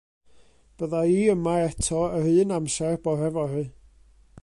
Bydda i yma eto yr un amser bore fory.